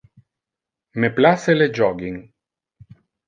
Me place le jogging.